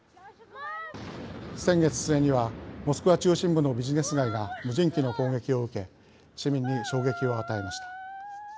先月末にはモスクワ中心部のビジネス街が無人機の攻撃を受け市民に衝撃を与えました。